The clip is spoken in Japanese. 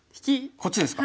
こっちですか。